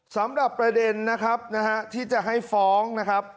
สำหรับประเด็นที่จะให้ฟ้อง